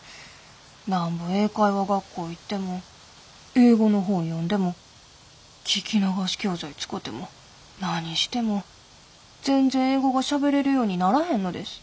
なんぼ英会話学校行っても英語の本読んでも聞き流し教材使ても何しても全然英語がしゃべれるようにならへんのです。